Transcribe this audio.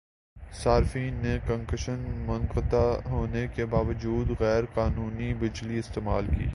صارفین نے کنکشن منقطع ہونے کے باوجودغیرقانونی بجلی استعمال کی